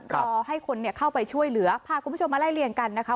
รอให้คนเข้าไปช่วยเหลือพาคุณผู้ชมมาไล่เลี่ยงกันนะคะ